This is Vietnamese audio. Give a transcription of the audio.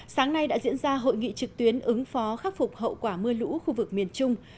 sáng nay đã diễn ra hội nghị trực tuyến ứng phó khắc phục hậu quả mưa lũ khu vực miền trung